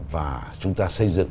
và chúng ta xây dựng